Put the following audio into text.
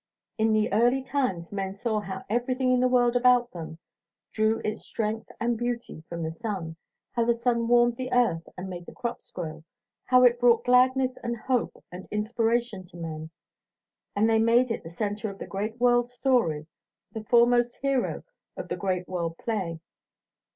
In the early times men saw how everything in the world about them drew its strength and beauty from the sun; how the sun warmed the earth and made the crops grow; how it brought gladness and hope and inspiration to men; and they made it the centre of the great world story, the foremost hero of the great world play.